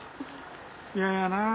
嫌やなあ。